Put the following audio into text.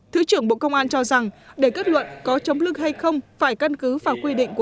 thứ trưởng bộ công an cho rằng để kết luận có chống lực hay không phải căn cứ vào quy định của